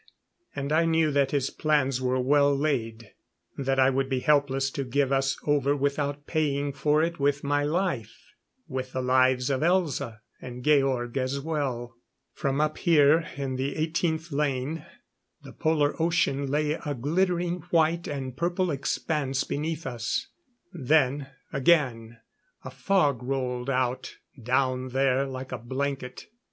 And I knew that his plans were well laid that I would be helpless to give us over without paying for it with my life with the lives of Elza and Georg as well. From up here in the 18th lane, the Polar ocean lay a glittering white and purple expanse beneath us. Then, again, a fog rolled out down there like a blanket.